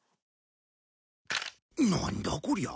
なんだこりゃ。